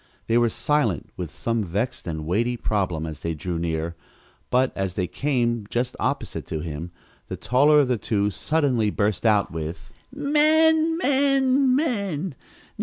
They were silent with some vexed and weighty problem as they drew near, but, as they came just opposite to him, the taller of the two suddenly burst out with: "Men, men, men!